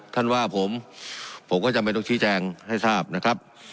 ท่านว่าผมผมก็จำเป็นต้องชี้แจงให้ทราบนะครับ